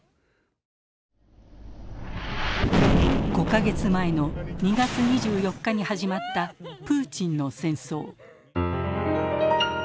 ５か月前の２月２４日に始まった「プーチンの戦争」。